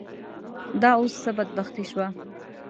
دا اوس څه بدبختي شوه.